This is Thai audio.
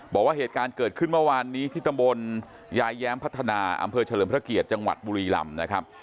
บอกว่าเหตุการณ์เกิดขึ้นเมื่อวานนี้ที่ตำบลยายแย้มพัฒนาอำเภอเฉลิมพระเกียรติจังหวัดบุรีลำนะครับ